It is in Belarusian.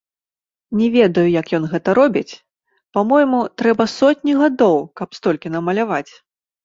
Не ведаю, як ён гэта робіць, па-мойму, трэба сотні гадоў, каб столькі намаляваць.